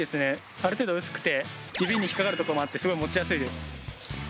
ある程度薄くて指に引っかかるとこもあってすごい持ちやすいです。